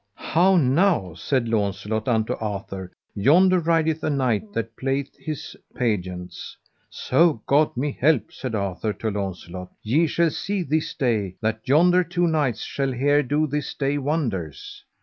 How now, said Launcelot unto Arthur, yonder rideth a knight that playeth his pageants. So God me help, said Arthur to Launcelot, ye shall see this day that yonder two knights shall here do this day wonders.